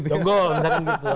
jonggol misalkan gitu